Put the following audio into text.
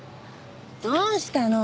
どうしたの？